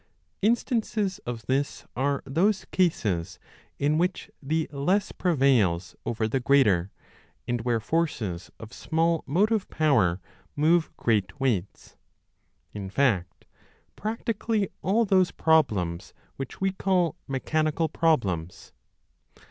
Instances of this are those cases in which the less prevails over the greater, and where forces of small motive power move great weights in fact, practically all those problems which we call Mechanical Problems.